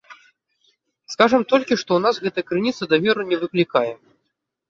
Скажам толькі, што ў нас гэтая крыніца даверу не выклікае.